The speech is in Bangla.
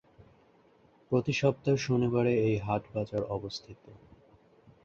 প্রতি সপ্তাহের শনিবারে এই হাট-বাজার অবস্থিত।